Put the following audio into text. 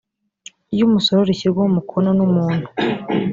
ry umusoro rishyirwaho umukono n umuntu